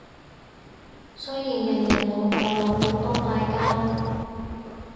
雖然人人老豆老母都嗌交